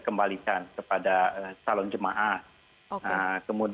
terima kasih asal mam camp